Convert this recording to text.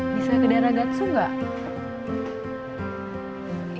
bisa ke daerah gatsu nggak